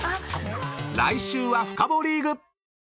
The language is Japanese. ［来週はフカボリーグ！］